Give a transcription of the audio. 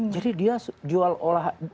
jadi dia jual olah